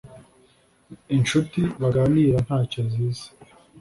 incuti baganira nta cyo zizi